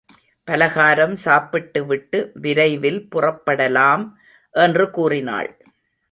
பலகாரம் சாப்பிட்டுவிட்டு விரைவில் புறப்படலாம் என்று கூறினாள்.